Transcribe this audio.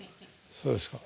そうですか。